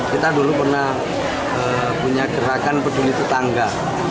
kita dulu pernah punya gerakan peduli tetangga